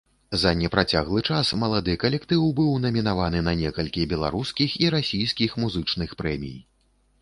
За непрацяглы час малады калектыў быў намінаваны на некалькі беларускіх і расійскіх музычных прэмій.